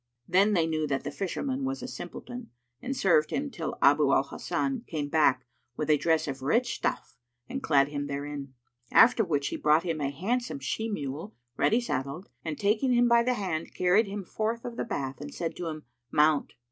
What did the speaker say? Then they knew that the Fisherman was a simpleton and served him till Abu al Hasan came back with a dress of rich stuff and clad him therein; after which he brought him a handsome she mule, ready saddled, and taking him by the hand, carried him forth of the bath and said to him, "Mount."